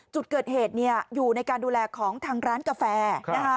จุดเกิดเหตุอยู่ในการดูแลของทางร้านกาแฟ